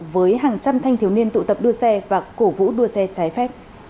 với hàng trăm thanh thiếu niên tụ tập đua xe và cổ vũ đua xe